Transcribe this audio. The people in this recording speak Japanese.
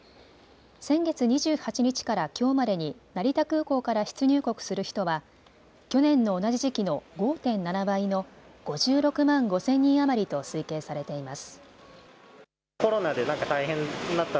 先月２８日からきょうまでに成田空港から出入国する人は去年の同じ時期の５．７倍の５６万５０００人余りと推計されています。